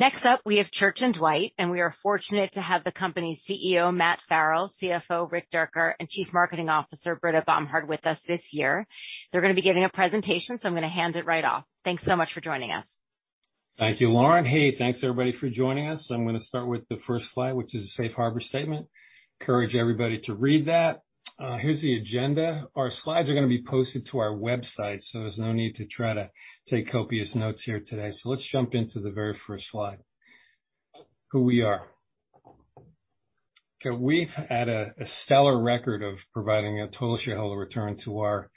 Next up, we have Church & Dwight, and we are fortunate to have the company's CEO, Matt Farrell, CFO, Rick Dierker, and Chief Marketing Officer, Britta Bomhard, with us this year. They're going to be giving a presentation, so I'm going to hand it right off. Thanks so much for joining us. Thank you, Lauren. Hey, thanks everybody for joining us. I'm going to start with the first slide, which is a safe harbor statement. Encourage everybody to read that. Here's the agenda. Our slides are going to be posted to our website. There's no need to try to take copious notes here today. Let's jump into the very first slide. Who we are. Okay, we've had a stellar record of providing a total shareholder return to our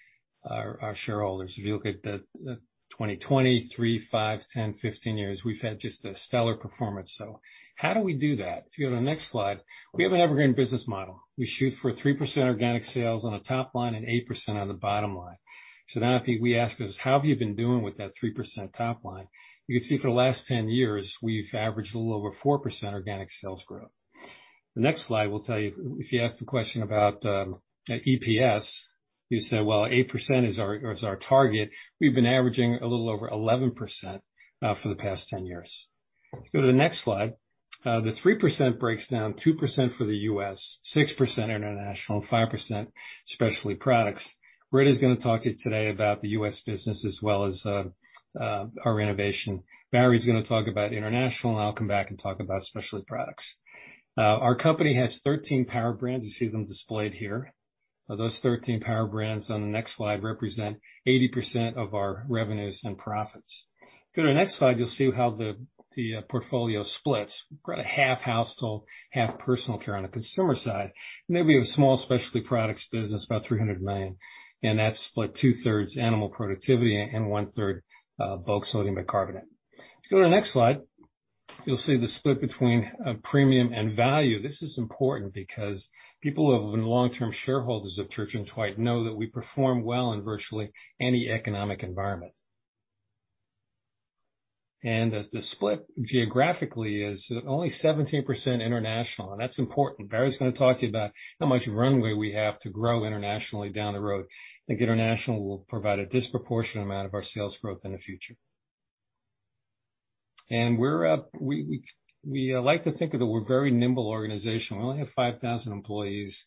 shareholders. If you look at the 2020, three, five, 10, 15 years, we've had just a stellar performance. How do we do that? If you go to the next slide, we have an Evergreen business model. We shoot for 3% organic sales on a top line and 8% on the bottom line. Now I think we ask us, how have you been doing with that 3% top line? You can see for the last 10 years, we've averaged a little over 4% organic sales growth. The next slide will tell you if you ask the question about EPS, you say, well, 8% is our target. We've been averaging a little over 11% for the past 10 years. If you go to the next slide, the 3% breaks down 2% for the U.S., 6% international, 5% specialty products. Britta is going to talk to you today about the U.S. business as well as our innovation. Barry's going to talk about international, and I'll come back and talk about specialty products. Our company has 13 power brands. You see them displayed here. Those 13 power brands on the next slide represent 80% of our revenues and profits. Go to the next slide, you'll see how the portfolio splits. We've got a half household, half personal care on the consumer side. We have a small specialty products business, about $300 million, that's split two-thirds animal productivity and one-third bulk sodium bicarbonate. If you go to the next slide, you'll see the split between premium and value. This is important because people who have been long-term shareholders of Church & Dwight know that we perform well in virtually any economic environment. The split geographically is only 17% international. That's important. Barry's going to talk to you about how much runway we have to grow internationally down the road. I think international will provide a disproportionate amount of our sales growth in the future. We like to think that we're a very nimble organization. We only have 5,000 employees.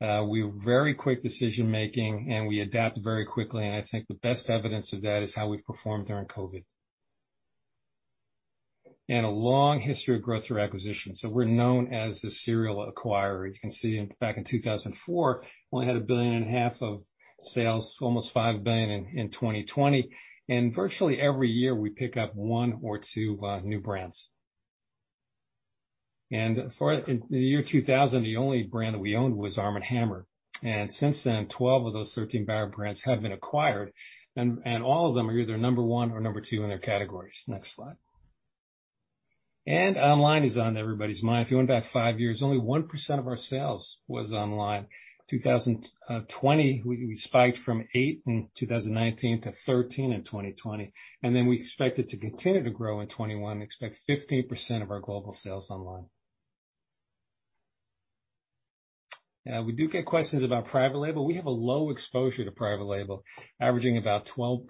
We are very quick decision-making, and we adapt very quickly. I think the best evidence of that is how we've performed during COVID. A long history of growth through acquisition. We're known as the serial acquirer. You can see back in 2004, only had $1.5 billion of sales, almost $5 billion in 2020. Virtually every year, we pick up one or two new brands. In the year 2000, the only brand that we owned was Arm & Hammer. Since then, 12 of those 13 power brands have been acquired, and all of them are either number one or number two in their categories. Next slide. Online is on everybody's mind. If you went back five years, only 1% of our sales was online. 2020, we spiked from 8% in 2019 to 13% in 2020. We expected to continue to grow in 2021, expect 15% of our global sales online. We do get questions about private label. We have a low exposure to private label, averaging about 12%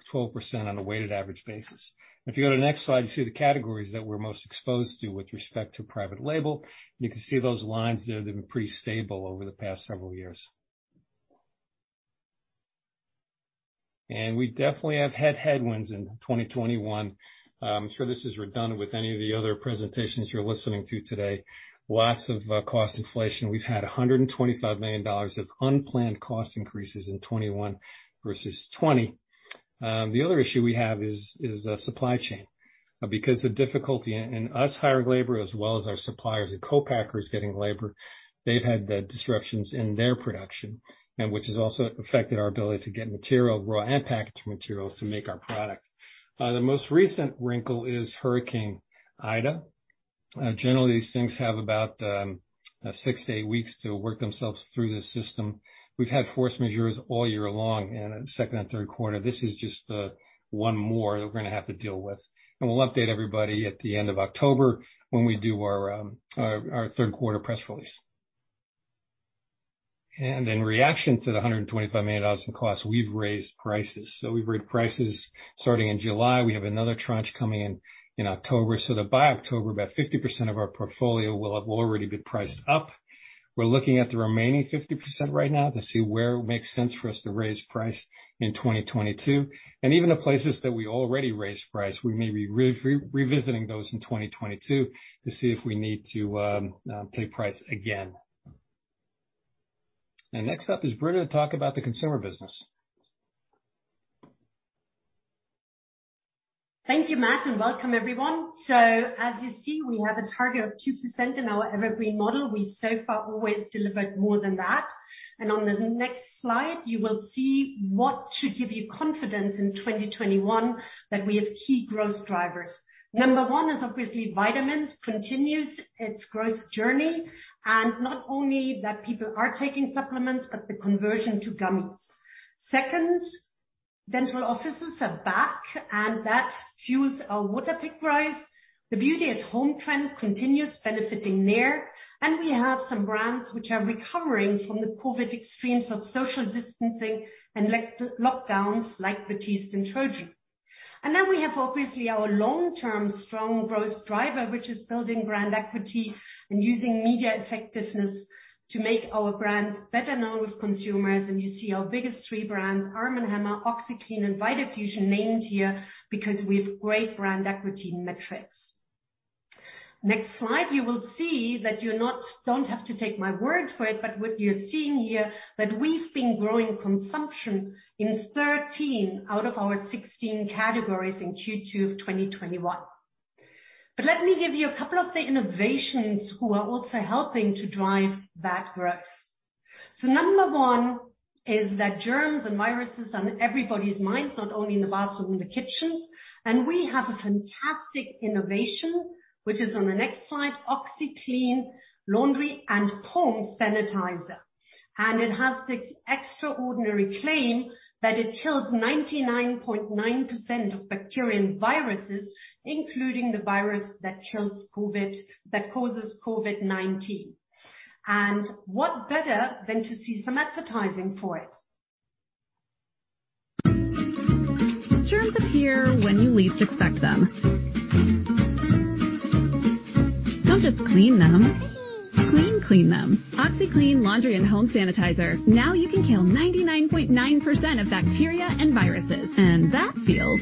on a weighted average basis. You go to the next slide, you see the categories that we're most exposed to with respect to private label. You can see those lines there, they've been pretty stable over the past several years. We definitely have had headwinds in 2021. I'm sure this is redundant with any of the other presentations you're listening to today. Lots of cost inflation. We've had $125 million of unplanned cost increases in 2021 versus 2020. The other issue we have is supply chain. The difficulty in us hiring labor, as well as our suppliers and co-packers getting labor, they've had the disruptions in their production, and which has also affected our ability to get material, raw and packaged materials, to make our product. The most recent wrinkle is Hurricane Ida. Generally, these things have about six to eight weeks to work themselves through the system. We've had force majeures all year long in the second and third quarter. This is just one more that we're going to have to deal with. We'll update everybody at the end of October when we do our third quarter press release. In reaction to the $125 million in costs, we've raised prices. We've raised prices starting in July. We have another tranche coming in in October. That by October, about 50% of our portfolio will already be priced up. We're looking at the remaining 50% right now to see where it makes sense for us to raise price in 2022. Even the places that we already raised price, we may be revisiting those in 2022 to see if we need to take price again. Next up is Britta to talk about the consumer business. Thank you, Matt, and welcome everyone. As you see, we have a target of 2% in our Evergreen model. We so far always delivered more than that. On the next slide, you will see what should give you confidence in 2021 that we have key growth drivers. Number one is obviously vitamins continues its growth journey, not only that people are taking supplements, but the conversion to gummies. Second, dental offices are back, and that fuels our Waterpik price. The beauty at home trend continues benefiting Nair. We have some brands which are recovering from the COVID extremes of social distancing and lockdowns, like Batiste and Trojan. We have obviously our long-term strong growth driver, which is building brand equity and using media effectiveness to make our brands better known with consumers. You see our biggest three brands, Arm & Hammer, OxiClean, and Vitafusion, named here because we have great brand equity metrics. Next slide, you will see that you don't have to take my word for it, but what you're seeing here, that we've been growing consumption in 13 out of our 16 categories in Q2 of 2021. Let me give you a couple of the innovations who are also helping to drive that growth. Number one is that germs and viruses on everybody's minds, not only in the bathroom, in the kitchens. We have a fantastic innovation, which is on the next slide, OxiClean Laundry & Home Sanitizer. It has this extraordinary claim that it kills 99.9% of bacteria and viruses, including the virus that causes COVID-19. What better than to see some advertising for it? Germs appear when you least expect them. Don't just clean them, clean them. OxiClean Laundry & Home Sanitizer. Now you can kill 99.9% of bacteria and viruses, and that feels.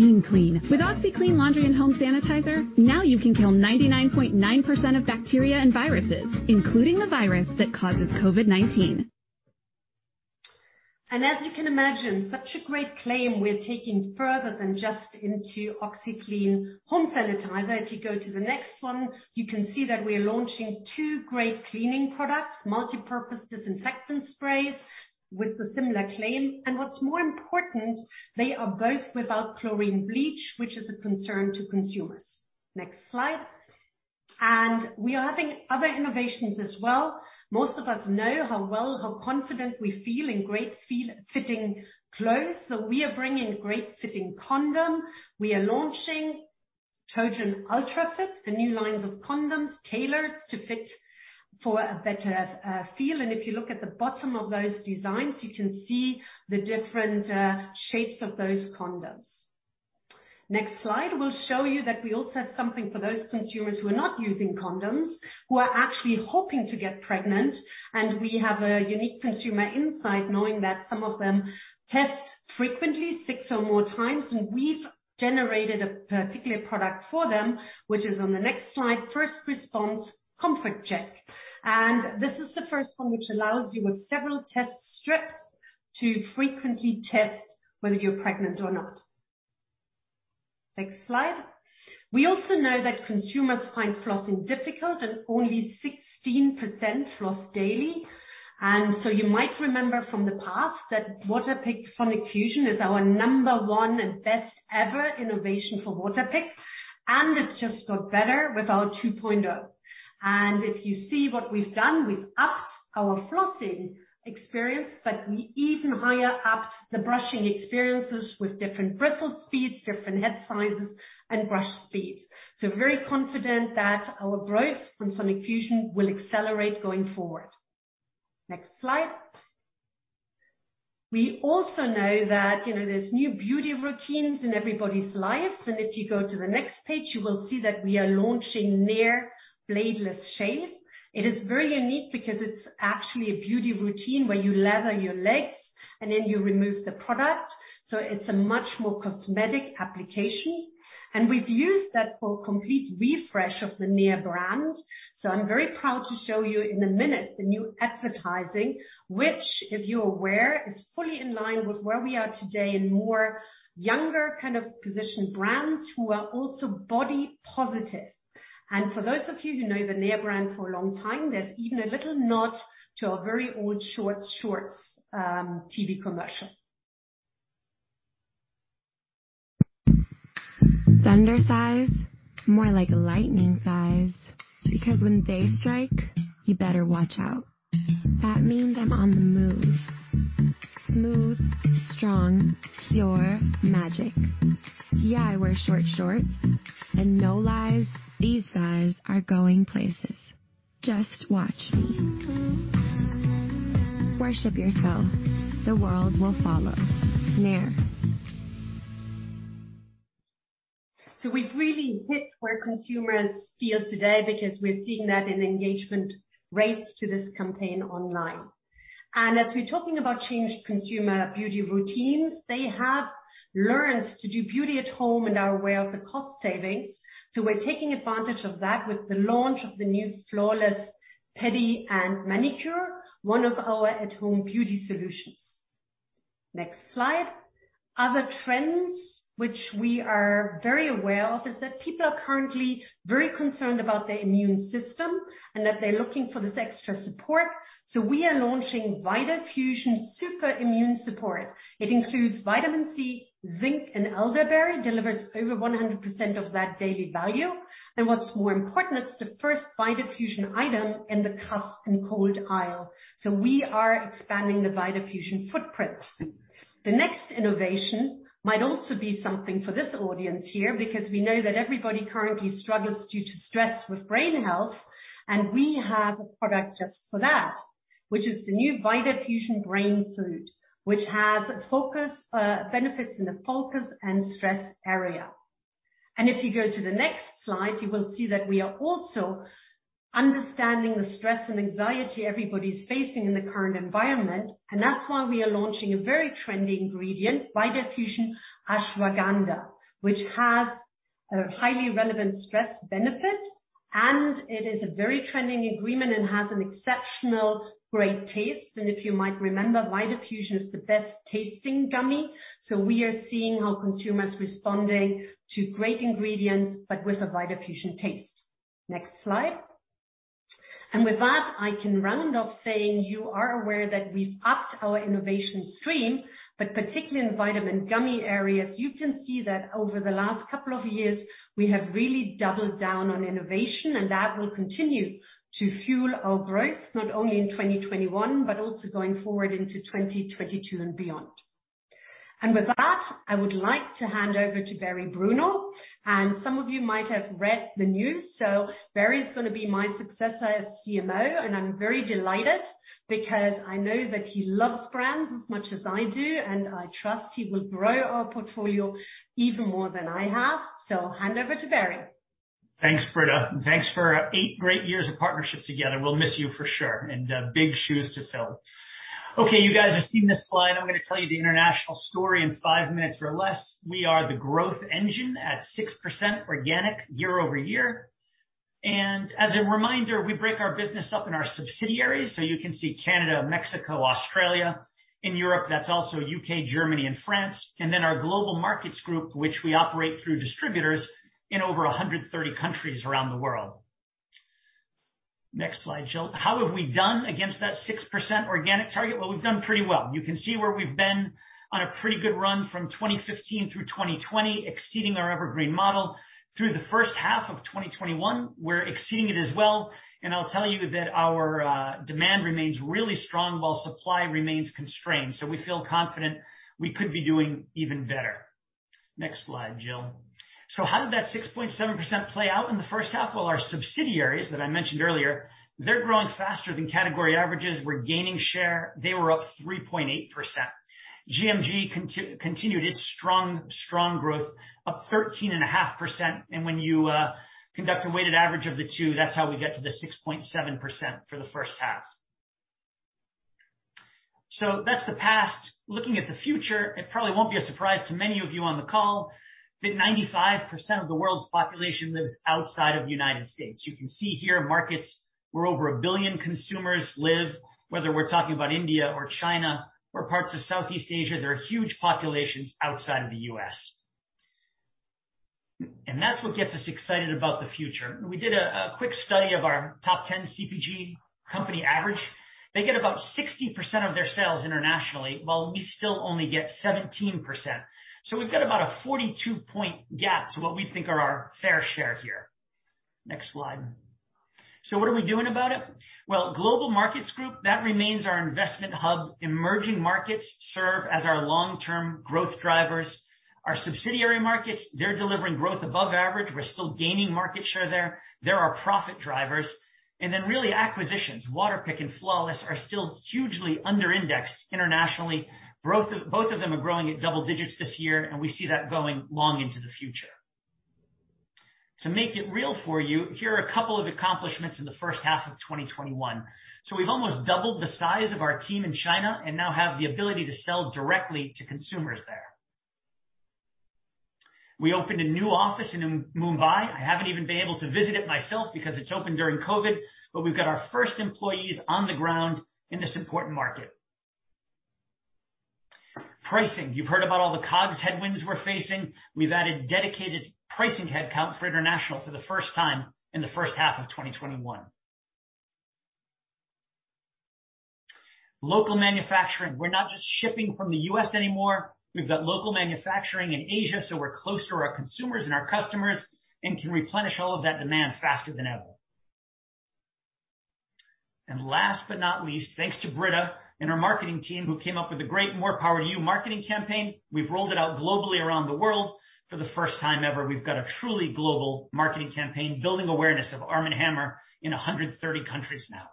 Get your home clean. With OxiClean Laundry & Home Sanitizer, now you can kill 99.9% of bacteria and viruses, including the virus that causes COVID-19. As you can imagine, such a great claim we're taking further than just into OxiClean Home Sanitizer. If you go to the next one, you can see that we're launching two great cleaning products, multipurpose disinfectant sprays with a similar claim. What's more important, they are both without chlorine bleach, which is a concern to consumers. Next slide. We are having other innovations as well. Most of us know how well, how confident we feel in great fitting clothes, we are bringing great fitting condom. We are launching Trojan Ultra Fit, the new lines of condoms tailored to fit for a better feel. If you look at the bottom of those designs, you can see the different shapes of those condoms. Next slide will show you that we also have something for those consumers who are not using condoms, who are actually hoping to get pregnant. We have a unique consumer insight knowing that some of them test frequently, six or more times. We've generated a particular product for them, which is on the next slide, First Response Comfort Check. This is the first one which allows you with several test strips to frequently test whether you're pregnant or not. Next slide. We also know that consumers find flossing difficult and only 16% floss daily. You might remember from the past that Waterpik Sonic-Fusion is our number one and best ever innovation for Waterpik, and it's just got better with our 2.0. If you see what we've done, we've upped our flossing experience, but we even higher upped the brushing experiences with different bristle speeds, different head sizes, and brush speeds. Very confident that our growth from Sonic-Fusion will accelerate going forward. Next slide. We also know that there's new beauty routines in everybody's lives. If you go to the next page, you will see that we are launching Nair Bladeless Shave. It is very unique because it's actually a beauty routine where you lather your legs and then you remove the product. It's a much more cosmetic application. We've used that for a complete refresh of the Nair brand. I'm very proud to show you in a minute the new advertising, which if you're aware, is fully in line with where we are today in more younger kind of positioned brands who are also body positive. For those of you who know the Nair brand for a long time, there's even a little nod to a very old short shorts TV commercial. Thunder thighs? More like lightning thighs. When they strike, you better watch out. That means I'm on the move. Smooth, strong, pure magic. Yeah, I wear short shorts. No lies, these thighs are going places. Just watch me. Worship your thighs. The world will follow. Nair. We've really hit where consumers feel today because we're seeing that in engagement rates to this campaign online. As we're talking about changed consumer beauty routines, they have learned to do beauty at home and are aware of the cost savings. We're taking advantage of that with the launch of the new Flawless pedi and manicure, one of our at-home beauty solutions. Next slide. Other trends which we are very aware of is that people are currently very concerned about their immune system and that they're looking for this extra support. We are launching Vitafusion Super Immune Support. It includes Vitamin C, Zinc, and elderberry, delivers over 100% of that daily value. What's more important, it's the first Vitafusion item in the cough and cold aisle. We are expanding the Vitafusion footprint. The next innovation might also be something for this audience here, because we know that everybody currently struggles due to stress with brain health, and we have a product just for that, which is the new Vitafusion Brain Food, which has benefits in the focus and stress area. If you go to the next slide, you will see that we are also understanding the stress and anxiety everybody's facing in the current environment, and that's why we are launching a very trendy ingredient, Vitafusion Ashwagandha, which has a highly relevant stress benefit, and it is a very trending ingredient and has an exceptional great taste. If you might remember, Vitafusion is the best tasting gummy. We are seeing how consumers responding to great ingredients, but with a Vitafusion taste. Next slide. With that, I can round off saying you are aware that we've upped our innovation stream, but particularly in vitamin gummy areas, you can see that over the last couple of years, we have really doubled down on innovation, and that will continue to fuel our growth, not only in 2021, but also going forward into 2022 and beyond. With that, I would like to hand over to Barry Bruno. Some of you might have read the news, so Barry's going to be my successor as CMO, and I'm very delighted because I know that he loves brands as much as I do, and I trust he will grow our portfolio even more than I have. Hand over to Barry. Thanks, Britta. Thanks for eight great years of partnership together. We'll miss you for sure. Big shoes to fill. Okay, you guys have seen this slide. I'm going to tell you the international story in five minutes or less. We are the growth engine at 6% organic year-over-year. As a reminder, we break our business up in our subsidiaries. You can see Canada, Mexico, Australia. In Europe, that's also U.K., Germany, and France. Our Global Markets Group, which we operate through distributors in over 130 countries around the world. Next slide, Jill. How have we done against that 6% organic target? Well, we've done pretty well. You can see where we've been on a pretty good run from 2015 through 2020, exceeding our Evergreen model. Through the first half of 2021, we're exceeding it as well, and I'll tell you that our demand remains really strong while supply remains constrained. We feel confident we could be doing even better. Next slide, Jill. How did that 6.7% play out in the first half? Well, our subsidiaries that I mentioned earlier, they're growing faster than category averages. We're gaining share. They were up 3.8%. GMG continued its strong growth of 13.5%, and when you conduct a weighted average of the two, that's how we get to the 6.7% for the first half. That's the past. Looking at the future, it probably won't be a surprise to many of you on the call that 95% of the world's population lives outside of the U.S. You can see here markets where over 1 billion consumers live, whether we're talking about India or China or parts of Southeast Asia, there are huge populations outside of the U.S. That's what gets us excited about the future. We did a quick study of our top 10 CPG company average. They get about 60% of their sales internationally, while we still only get 17%. We've got about a 42-point gap to what we think are our fair share here. Next slide. What are we doing about it? Well, Global Markets Group, that remains our investment hub. Emerging markets serve as our long-term growth drivers. Our subsidiary markets, they're delivering growth above average. We're still gaining market share there. They're our profit drivers. Then really, acquisitions. Waterpik and Flawless are still hugely under-indexed internationally. Both of them are growing at double digits this year, and we see that going long into the future. To make it real for you, here are a couple of accomplishments in the first half of 2021. We've almost doubled the size of our team in China and now have the ability to sell directly to consumers there. We opened a new office in Mumbai. I haven't even been able to visit it myself because it's opened during COVID, but we've got our first employees on the ground in this important market. Pricing. You've heard about all the COGS headwinds we're facing. We've added dedicated pricing headcount for international for the first time in the first half of 2021. Local manufacturing. We're not just shipping from the U.S. anymore. We've got local manufacturing in Asia, so we're close to our consumers and our customers and can replenish all of that demand faster than ever. Last but not least, thanks to Britta and her marketing team who came up with a great More Power to You marketing campaign. We've rolled it out globally around the world. For the first time ever, we've got a truly global marketing campaign building awareness of Arm & Hammer in 130 countries now.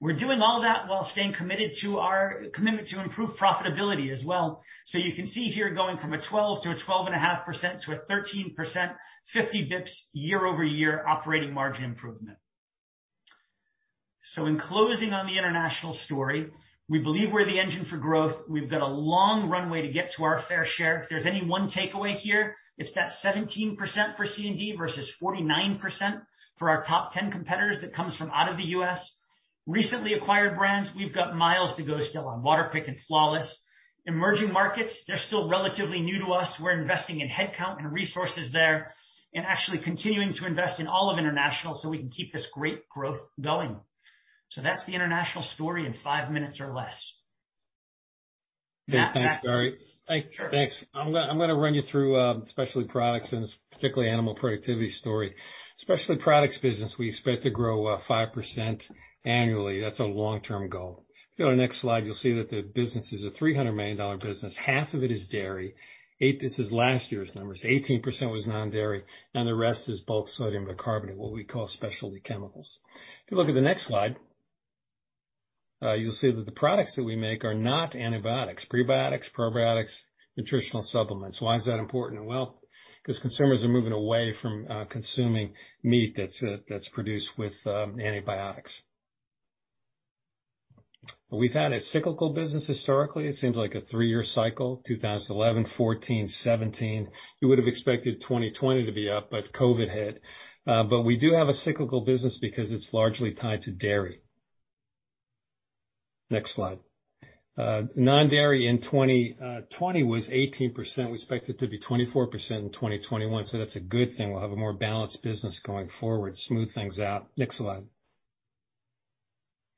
We're doing all that while staying committed to our commitment to improve profitability as well. You can see here going from a 12% to a 12.5% to a 13%, 50 basis points year-over-year operating margin improvement. In closing on the international story, we believe we're the engine for growth. We've got a long runway to get to our fair share. If there's any one takeaway here, it's that 17% for C&D versus 49% for our top 10 competitors that comes from out of the U.S. Recently acquired brands, we've got miles to go still on Waterpik and Flawless. Emerging markets, they're still relatively new to us. We're investing in headcount and resources there and actually continuing to invest in all of international so we can keep this great growth going. That's the international story in five minutes or less. Thanks, Barry. Thanks. I'm going to run you through specialty products and this particular animal productivity story. Specialty Products business, we expect to grow 5% annually. That's a long-term goal. If you go to the next slide, you'll see that the business is a $300 million business. Half of it is dairy. This is last year's numbers. 18% was non-dairy and the rest is bulk sodium bicarbonate, what we call specialty chemicals. If you look at the next slide, you'll see that the products that we make are not antibiotics. Prebiotics, probiotics, nutritional supplements. Why is that important? Well, because consumers are moving away from consuming meat that's produced with antibiotics. We've had a cyclical business historically. It seems like a three-year cycle, 2011, 2014, 2017. You would have expected 2020 to be up, COVID hit. We do have a cyclical business because it's largely tied to dairy. Next slide. Non-dairy in 2020 was 18%. We expect it to be 24% in 2021, that's a good thing. We'll have a more balanced business going forward, smooth things out. Next slide.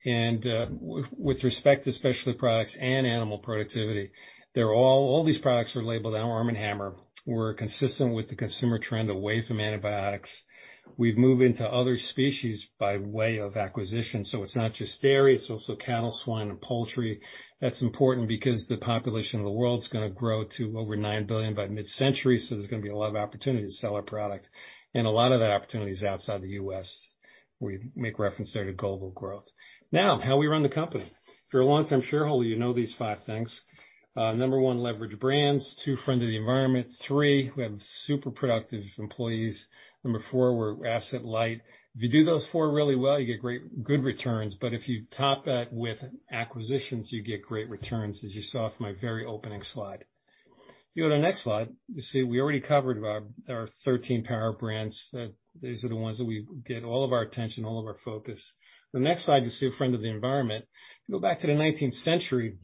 With respect to specialty products and animal productivity, all these products are labeled Arm & Hammer. We're consistent with the consumer trend away from antibiotics. We've moved into other species by way of acquisition. It's not just dairy, it's also cattle, swine, and poultry. That's important because the population of the world's going to grow to over nine billion by mid-century. There's going to be a lot of opportunity to sell our product. A lot of that opportunity is outside the U.S. We make reference there to global growth. How we run the company. If you're a long-term shareholder, you know these five things. Number one, leverage brands. Two, friend of the environment. Three, we have super productive employees. Number four, we're asset light. If you do those four really well, you get good returns. If you top that with acquisitions, you get great returns, as you saw from my very opening slide. If you go to the next slide, you see we already covered our 13 power brands. These are the ones that we give all of our attention, all of our focus. The next slide, you see friend of the environment. If you go back to the 19th century,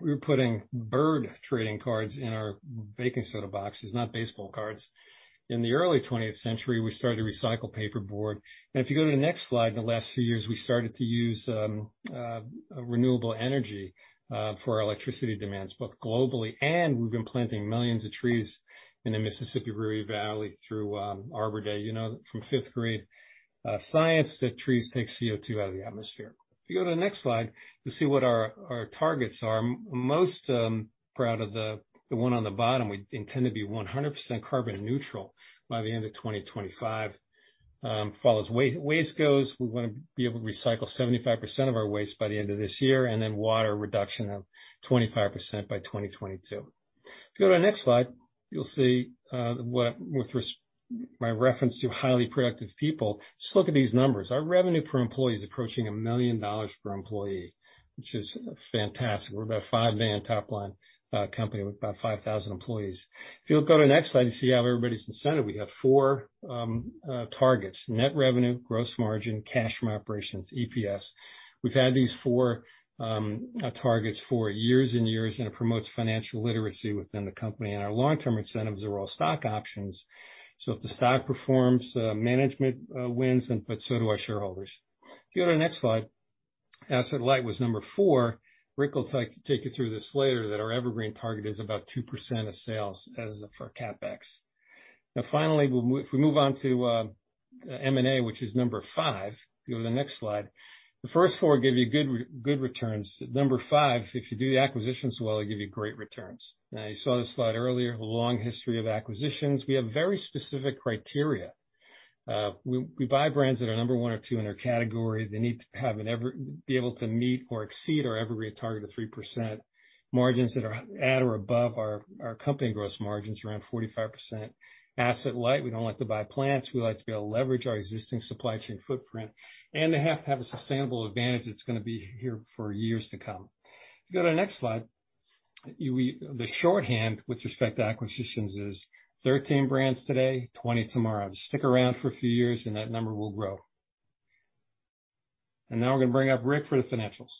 we were putting bird trading cards in our baking soda boxes, not baseball cards. In the early 20th century, we started to recycle paper board. If you go to the next slide, in the last few years, we started to use renewable energy for our electricity demands, both globally, and we've been planting millions of trees in the Mississippi River Valley through Arbor Day. You know from fifth grade science that trees take CO2 out of the atmosphere. If you go to the next slide, you'll see what our targets are. Most proud of the one on the bottom. We intend to be 100% carbon neutral by the end of 2025. Far as waste goes, we want to be able to recycle 75% of our waste by the end of this year, and then water reduction of 25% by 2022. If you go to the next slide, you'll see my reference to highly productive people. Just look at these numbers. Our revenue per employee is approaching $1 million per employee, which is fantastic. We're about a $5 million top-line company with about 5,000 employees. If you go to the next slide, you see how everybody's incented. We have four targets. Net revenue, gross margin, cash from operations, EPS. We've had these four targets for years and years. It promotes financial literacy within the company. Our long-term incentives are all stock options. If the stock performs, management wins, but so do our shareholders. If you go to the next slide, asset light was number four. Rick will take you through this later, that our Evergreen target is about 2% of sales as for CapEx. Now finally, if we move on to M&A, which is number five. If you go to the next slide. The first four give you good returns. Number five, if you do the acquisitions well, they give you great returns. You saw this slide earlier, a long history of acquisitions. We have very specific criteria. We buy brands that are number one or two in their category. They need to be able to meet or exceed our Evergreen target of 3%. Margins that are at or above our company gross margins, around 45%. Asset light. We don't like to buy plants. We like to be able to leverage our existing supply chain footprint, and they have to have a sustainable advantage that's going to be here for years to come. If you go to the next slide. The shorthand with respect to acquisitions is 13 brands today, 20 tomorrow. Just stick around for a few years and that number will grow. Now we're going to bring up Rick for the financials.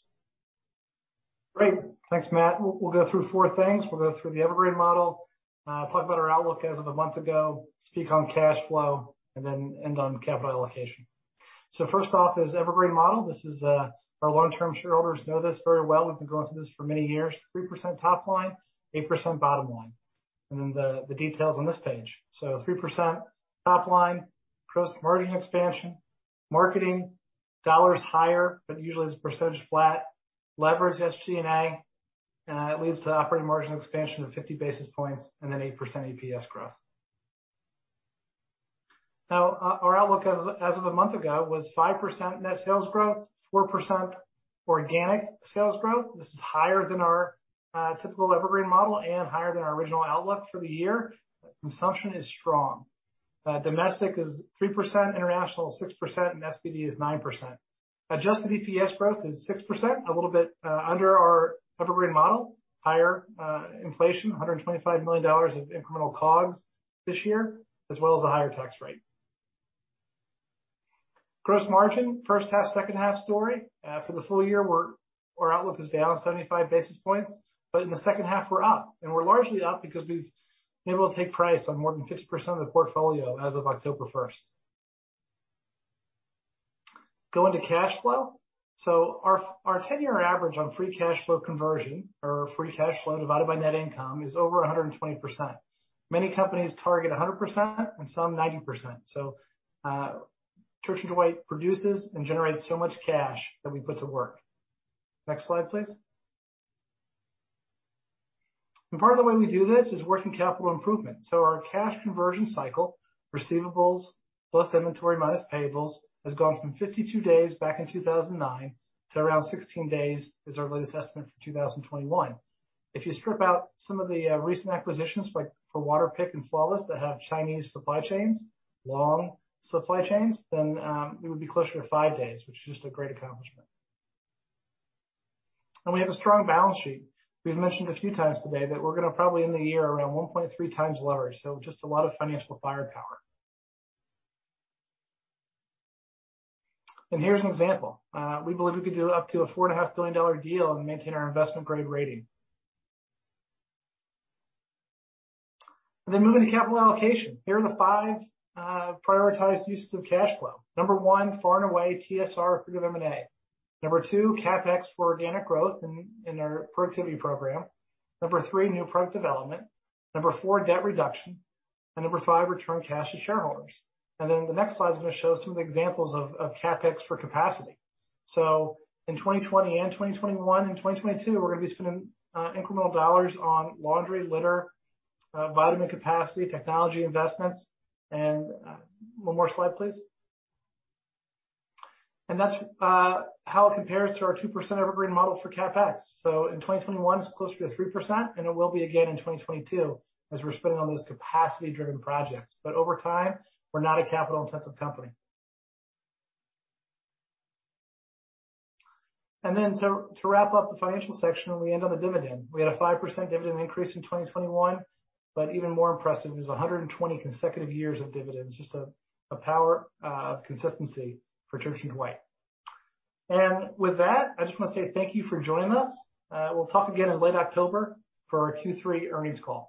Great. Thanks, Matt. We'll go through four things. We'll go through the Evergreen model, talk about our outlook as of a month ago, speak on cash flow, and then end on capital allocation. First off is Evergreen model. Our long-term shareholders know this very well. We've been going through this for many years. 3% top line, 8% bottom line, and then the details on this page. 3% top line, gross margin expansion, marketing, dollar is higher, but usually the percentage is flat. Leverage SG&A, and that leads to operating margin expansion of 50 basis points and then 8% EPS growth. Now, our outlook as of a month ago was 5% net sales growth, 4% organic sales growth. This is higher than our typical Evergreen model and higher than our original outlook for the year. Consumption is strong. Domestic is 3%, international is 6%, and SPD is 9%. Adjusted EPS growth is 6%, a little bit under our Evergreen model. Higher inflation, $125 million of incremental COGS this year, as well as a higher tax rate. Gross margin, first half, second half story. For the full year, our outlook is down 75 basis points. In the second half, we're up. We're largely up because we've been able to take price on more than 50% of the portfolio as of October 1st. Go into cash flow. Our 10-year average on free cash flow conversion or free cash flow divided by net income is over 120%. Many companies target 100% and some 90%. Church & Dwight produces and generates so much cash that we put to work. Next slide, please. Part of the way we do this is working capital improvement. Our cash conversion cycle, receivables plus inventory minus payables, has gone from 52 days back in 2009 to around 16 days is our latest estimate for 2021. If you strip out some of the recent acquisitions, like for Waterpik and Flawless, that have Chinese supply chains, long supply chains, then it would be closer to five days, which is just a great accomplishment. We have a strong balance sheet. We've mentioned a few times today that we're going to probably end the year around 1.3x leverage. Just a lot of financial firepower. Here's an example. We believe we could do up to a $4.5 billion deal and maintain our investment grade rating. Moving to capital allocation. Here are the five prioritized uses of cash flow. Number one, far and away, TSR accretive M&A. Number two, CapEx for organic growth in our productivity program. Number three, new product development. Number four, debt reduction. Number five, return cash to shareholders. The next slide is going to show some of the examples of CapEx for capacity. In 2020, 2021, and 2022, we're going to be spending incremental dollars on laundry, litter, vitamin capacity, technology investments. One more slide, please. That's how it compares to our 2% Evergreen model for CapEx. In 2021, it's closer to 3%, and it will be again in 2022 as we're spending on those capacity-driven projects. Over time, we're not a capital-intensive company. To wrap up the financial section, we end on the dividend. We had a 5% dividend increase in 2021, but even more impressive is 120 consecutive years of dividends. Just a power of consistency for Church & Dwight. With that, I just want to say thank you for joining us. We'll talk again in late October for our Q3 earnings call.